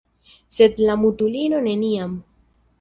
Sed la mutulino neniam